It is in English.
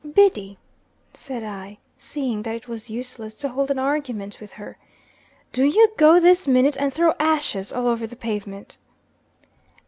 "Biddy," said I, seeing that it was useless to hold an argument with her, "Do you go this minute and throw ashes all over the pavement."